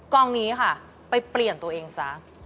กองนี้ค่ะไปเปลี่ยนตัวเองซะ